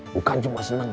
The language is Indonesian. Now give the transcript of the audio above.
bukan cuma seneng muz